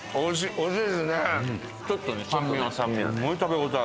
おいしい！